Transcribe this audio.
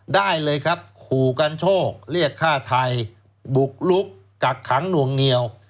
ได้เลยครับขู่กันโชคเรียกฆ่าไทยบุกลุกกักขังหน่วงเหนียว